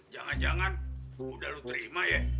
jangan jangan udah lu terima ya